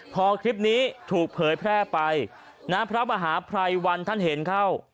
พอคลิปนี้ถูกเผยแพร่ไปนะพระมหาภัยวันท่านเห็นเข้า